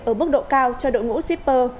ở mức độ cao cho đội ngũ shipper